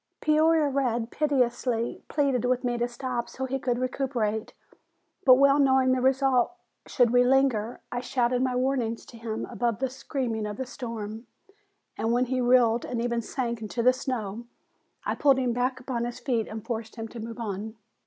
Peoria Red piteously pleaded with me to stop so he could recuperate, but well knowing the result should we linger, I shouted my warnings to him above the screaming of the storm, and when he reeled and even sank into the snow, I pulled him back upon his feet and forced him to move on.